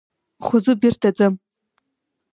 خو زه بېرته ځم.